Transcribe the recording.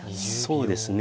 そうですね。